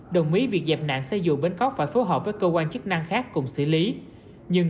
đồng ý việc dẹp nạn xe dù bến cóc phải phối hợp với cơ quan chức năng khác cùng xử lý nhưng